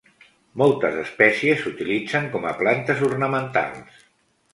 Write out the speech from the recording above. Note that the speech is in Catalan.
Moltes espècies s'utilitzen com a plantes ornamentals.